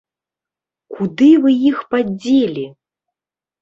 Куды вы іх падзелі?